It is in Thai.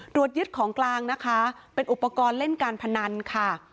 ตรวจยึดของกลางนะคะเป็นอุปกรณ์เล่นการพนันค่ะ